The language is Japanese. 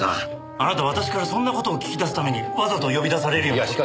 あなた私からそんな事を聞き出すためにわざと呼び出されるような事を。